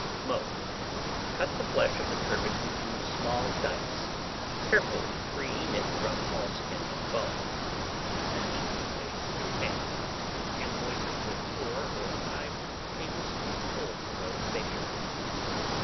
Mode. Cut the flesh of the turbot into small dice, carefully freeing it from all skin and bone. Put them into a stewpan, and moisten with 4 or 5 tablespoonfuls of béchamel.